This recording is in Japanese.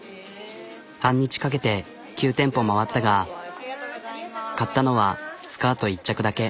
半日かけて９店舗回ったが買ったのはスカート１着だけ。